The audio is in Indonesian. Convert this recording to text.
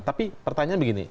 tapi pertanyaan begini